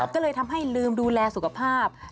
ก็เลยทำให้ลืมดูแลสุขภาพ